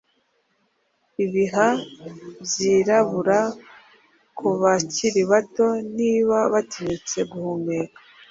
Ibihaha byirabura kubakiri bato niba batinyutse guhumeka